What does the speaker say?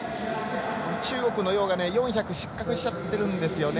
中国の楊が４００で失格しちゃってるんですよね。